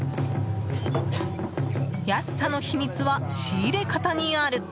安さの秘密は仕入れ方にある！